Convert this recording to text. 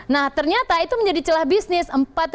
nah ternyata itu menjadi celah bisnis